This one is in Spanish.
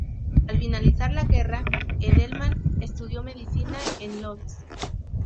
Al finalizar la guerra, Edelman estudió medicina en Łódź.